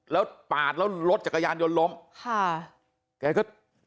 แล้วปาดแล้วรถจักรยานยนต์ล้มค่ะแกก็